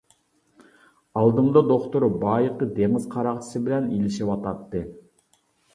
ئالدىمدا دوختۇر بايىقى دېڭىز قاراقچىسى بىلەن ئېلىشىۋاتاتتى.